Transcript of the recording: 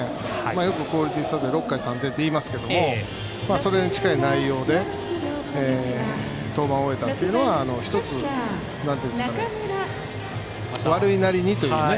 よく、クオリティースタートは６回３点といいますけどそれに近い内容で登板を終えたというのは１つ、悪いなりにというね。